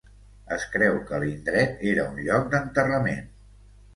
Es creu que l'indret era un lloc d'enterrament.